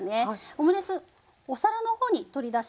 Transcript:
オムレツお皿の方に取り出します。